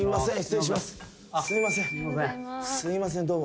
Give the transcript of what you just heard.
すいません。